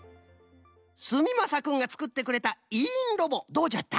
すみまさくんがつくってくれたいいんロボどうじゃった？